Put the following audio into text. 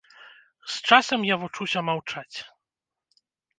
З часам я вучуся маўчаць.